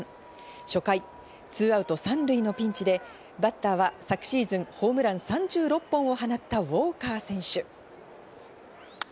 初回、２アウト３塁のピンチでバッターは昨シーズン、ホームラン３６本を放ったウォーカー選手。